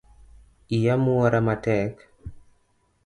Iya mwora matek.